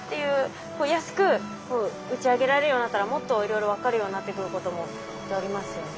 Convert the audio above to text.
安く打ち上げられるようになったらもっといろいろ分かるようになってくることもきっとありますよね。